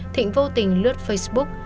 thịnh vô tình lướt facebook